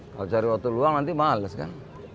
kalau cari waktu luang nanti males kan